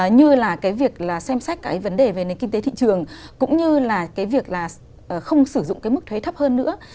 như là cái việc là xem xét cái vấn đề về nền kinh tế thị trường cũng như là cái việc là không sử dụng cái mức thuế thấp hơn nữa